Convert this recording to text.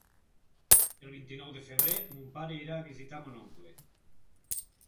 El vint-i-nou de febrer mon pare irà a visitar mon oncle.